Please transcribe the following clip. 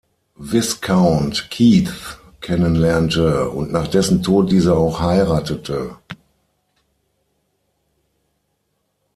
Viscount Keith, kennenlernte und nach dessen Tod diese auch heiratete.